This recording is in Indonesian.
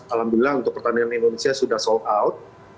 alhamdulillah untuk pertandingan indonesia sudah sold out